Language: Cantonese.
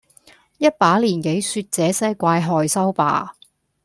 一把年紀說這些怪害羞吧！